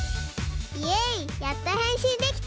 イエイやっとへんしんできた。